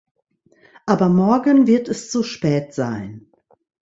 Aber morgen wird es zu spät sein.